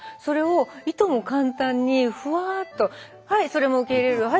それをいとも簡単にふわっとはいそれも受け入れる